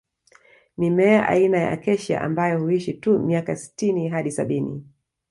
Mimea aina ya Acacia ambayo huishi tu miaka sitini hadi sabini